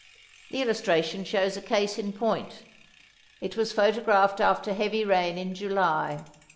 The illustration shows a case in point. It was photographed after heavy rain in July.